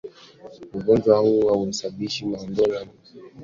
Ugonjwa huu hausababishi madonda yanayoonekana kwenye viungo vya ndani ya mwili